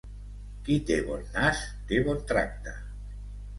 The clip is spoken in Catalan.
Qui té bon nas, té bon tracte.